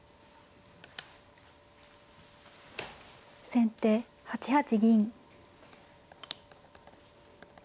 先手８八銀。